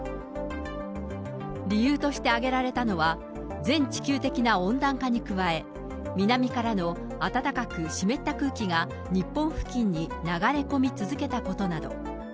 理由として挙げられたのは、全地球的な温暖化に加え、南からの暖かく湿った空気が、日本付近に流れ込み続けたことなど。